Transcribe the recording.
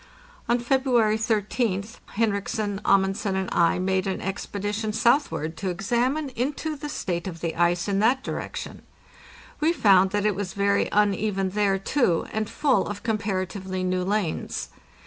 On February 13th Henriksen, Amundsen, and I made an ex pedition southward to examine into the state of the ice in that direction. We found that it was very uneven there, too, and full of comparatively new lanes.